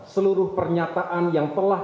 seluruh pernyataan yang telah